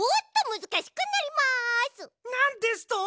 なんですと！